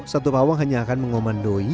satu pawang hanya akan mengomandoi